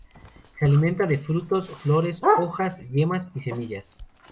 Se alimenta de frutos, flores, hojas, yemas y semillas.